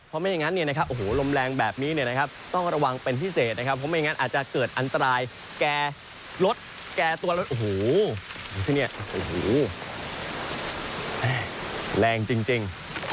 เพราะไม่อย่างนั้นเนี่ยนะครับโอ้โหลมแรงแบบนี้เนี่ยนะครับต้องระวังเป็นพิเศษนะครับเพราะไม่งั้นอาจจะเกิดอันตรายแก่รถแก่ตัวรถโอ้โหดูสิเนี่ยโอ้โหแรงจริง